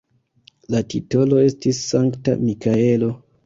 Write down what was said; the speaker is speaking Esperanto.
La titolo estis Sankta Mikaelo.